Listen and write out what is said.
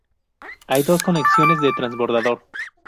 Hay dos conexiones de transbordador.